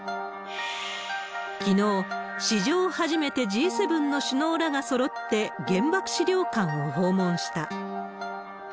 きのう、史上初めてＧ７の首脳らがそろって原爆資料館を訪問した。